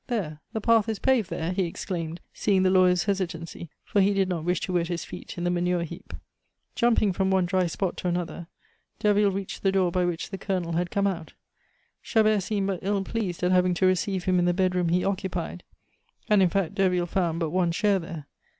There the path is paved there," he exclaimed, seeing the lawyer's hesitancy, for he did not wish to wet his feet in the manure heap. Jumping from one dry spot to another, Derville reached the door by which the Colonel had come out. Chabert seemed but ill pleased at having to receive him in the bed room he occupied; and, in fact, Derville found but one chair there.